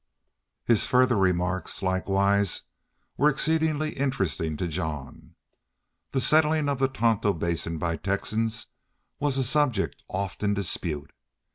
His further remarks, likewise, were exceedingly interesting to Jean. The settling of the Tonto Basin by Texans was a subject often in dispute.